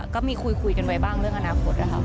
ก็มีคุยกันไว้บ้างเรื่องอนาคตนะคะ